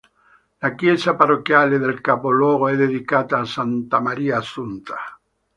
La chiesa parrocchiale del capoluogo è dedicata a Santa Maria Assunta.